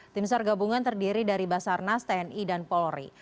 timsar gabungan terdiri dari basarnas tni dan polri